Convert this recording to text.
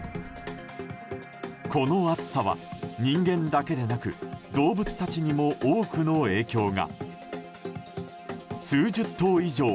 この暑さは人間だけでなく動物たちにも多くの影響が。